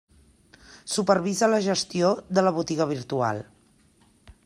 Supervisa la gestió de la botiga virtual.